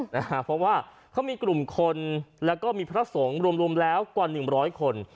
เพราะว่าเขามีกลุ่มคนแล้วก็มีพระสงฆ์รวมแล้วกว่าหนึ่งร้อยคน